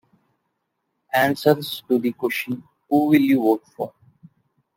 Answers to the question, Who will you vote for?